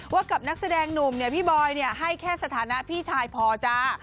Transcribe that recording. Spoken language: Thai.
กับนักแสดงหนุ่มเนี่ยพี่บอยให้แค่สถานะพี่ชายพอจ้า